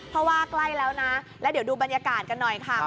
เพราะว่าใกล้แล้วนะแล้วเดี๋ยวดูบรรยากาศกันหน่อยค่ะ